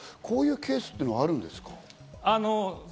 こういうケースっていうのはあるんですか？